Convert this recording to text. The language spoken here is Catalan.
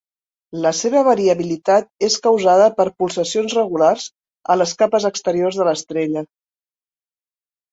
La seva variabilitat és causada per pulsacions regulars a les capes exteriors de l'estrella.